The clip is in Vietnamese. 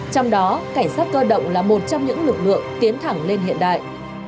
trong đó cảnh sát cơ động là một trong những lực lượng tiến thẳng lên hiện đại